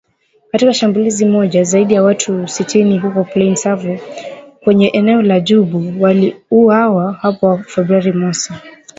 Katika shambulizi moja, zaidi ya watu sitini huko Plaine Savo kwenye eneo la Djubu waliuawa hapo Februari mosi